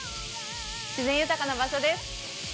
自然豊かな場所です！